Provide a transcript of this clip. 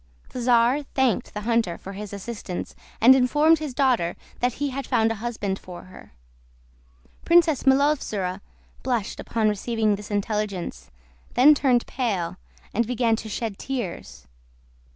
The czar thanked the hunter for his assistance, and informed his daughter that he had found a husband for her. Princess Milovzora blushed upon receiving this intelligence, then turned pale, and began to shed tears.